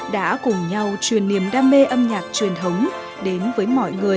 đã cùng nhau truyền niềm đam mê âm nhạc truyền thống đến với mọi người